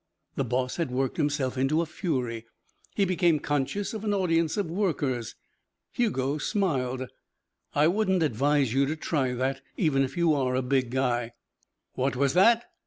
The boss had worked himself into a fury. He became conscious of an audience of workers. Hugo smiled. "I wouldn't advise you to try that even if you are a big guy." "What was that?"